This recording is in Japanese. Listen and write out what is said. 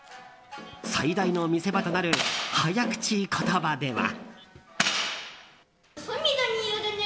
最大の見せ場となる早口言葉では。